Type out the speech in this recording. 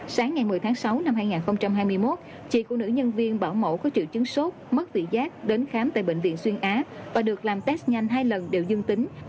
sáng ngày một mươi tháng sáu năm hai nghìn hai mươi một chị phụ nữ nhân viên bảo mẫu có triệu chứng sốt mất vị giác đến khám tại bệnh viện xuyên á và được làm test nhanh hai lần đều dương tính